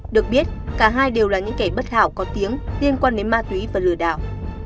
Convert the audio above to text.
được biết cả hai đều là những kẻ bất hảo có tiếng liên quan đến ma túy và lừa đảo